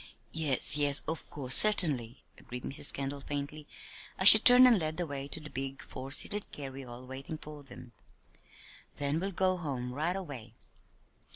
"Yes, yes, of course, certainly," agreed Mrs. Kendall, faintly, as she turned and led the way to the big four seated carryall waiting for them. "Then we'll go home right away."